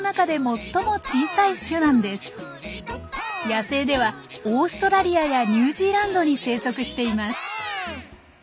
野生ではオーストラリアやニュージーランドに生息しています。